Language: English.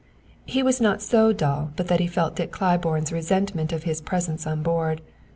He was not so dull but that he felt Dick Claiborne's resentment of his presence on board.